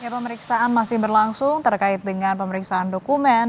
pemeriksaan masih berlangsung terkait dengan pemeriksaan dokumen